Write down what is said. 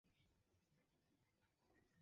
Jack, কী করছ এসব!